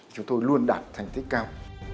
chúng tôi luôn đạt thành tích cao